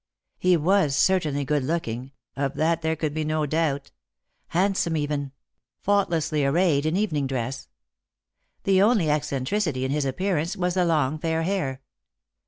He was certainly good looking, of that there could be no doubt ; handsome even ; faultlessly arrayed in evening dress. The only eccentricity in his appearance was the long fair hair.